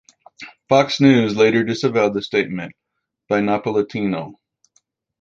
Fox News later disavowed the statement by Napolitano.